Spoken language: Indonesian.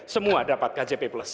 semua dapat kjp plus